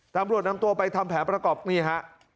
ตำรวจนำตัวไปทำแผนประกอบนี่ฮะ